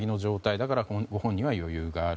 だから、ご本人は余裕がある。